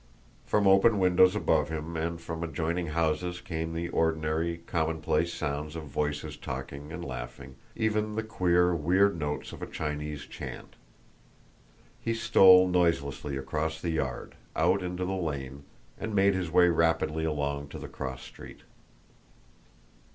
From open windows above him and from adjoining houses came the ordinary, commonplace sounds of voices talking and laughing, even the queer, weird notes of a Chinese chant. He stole noiselessly across the yard, out into the lane, and made his way rapidly along to the cross street.